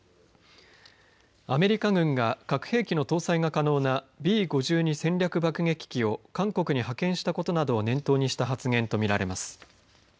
アメリカ軍が核兵器の搭載が可能なＢ５２戦略爆撃機を韓国に派遣したことなどを念頭にした発言と見られます。